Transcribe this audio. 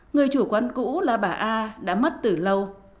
người chủ quán cũ là bà a đã mất từ lâu